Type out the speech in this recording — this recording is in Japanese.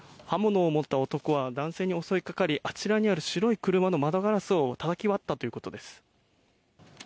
刃物を持った男は男性に襲いかかりあちらにある白い車の窓ガラスをたたき割ったということです。